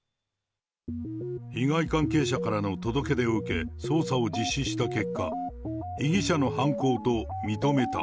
被害関係者からの届け出を受け、捜査を実施した結果、被疑者の犯行と認めた。